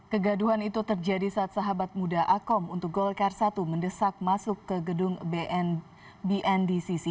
kegaduhan itu terjadi saat sahabat muda akom untuk golkar satu mendesak masuk ke gedung bndcc